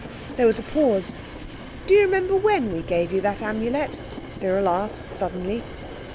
There was a pause. "Do you remember when we gave you that Amulet?" Cyril asked suddenly.